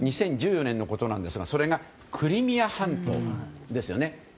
２０１４年のことなんですがそれがクリミア半島ですよね。